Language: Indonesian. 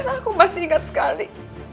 dan aku masih ingat sekali